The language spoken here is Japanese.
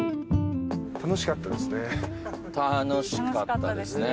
楽しかったですね。